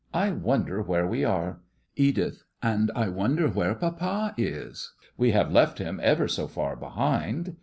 I wonder where we are! EDITH: And I wonder where Papa is. We have left him ever so far behind.